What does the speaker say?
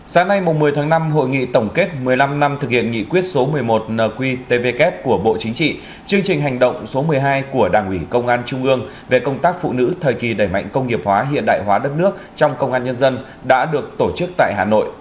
sáng nay một mươi tháng năm hội nghị tổng kết một mươi năm năm thực hiện nghị quyết số một mươi một nqtvk của bộ chính trị chương trình hành động số một mươi hai của đảng ủy công an trung ương về công tác phụ nữ thời kỳ đẩy mạnh công nghiệp hóa hiện đại hóa đất nước trong công an nhân dân đã được tổ chức tại hà nội